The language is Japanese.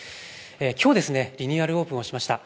きょうリニューアルオープンしました。